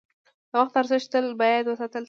د وخت ارزښت تل باید وساتل شي.